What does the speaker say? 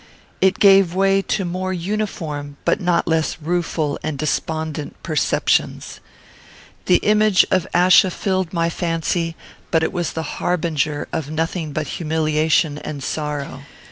It gave way to more uniform but not less rueful and despondent perceptions. The image of Achsa filled my fancy, but it was the harbinger of nothing but humiliation and sorrow.